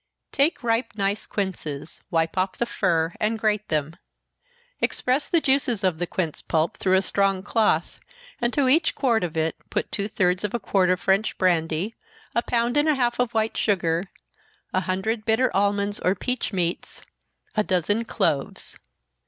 _ Take ripe nice quinces, wipe off the fur, and grate them. Express the juices of the quince pulp through a strong cloth, and to each quart of it put two thirds of a quart of French brandy, a pound and a half of white sugar, a hundred bitter almonds, or peach meats, a dozen cloves.